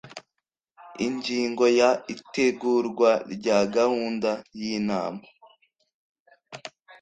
ingingo ya itegurwa rya gahunda y inama